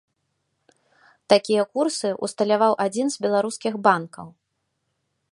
Такія курсы ўсталяваў адзін з беларускіх банкаў.